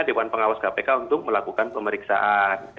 dewan pengawas kpk untuk melakukan pemeriksaan